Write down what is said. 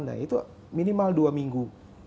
nah itu minimal dua minggu